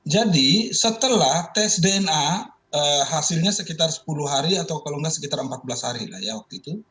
jadi setelah tes dna hasilnya sekitar sepuluh hari atau kalau tidak sekitar empat belas hari lah ya waktu itu